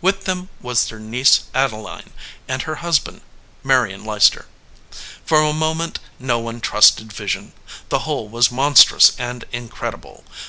With them was their niece Adeline and her husband, Marion Leicester. For a moment not one trusted vision. The whole was monstrous and incredible.